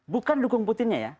bukan dukung putin nya ya